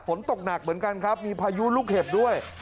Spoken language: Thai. ฝนตกหนักเหมือนกันครับมีพายุลูกเห็บด้วย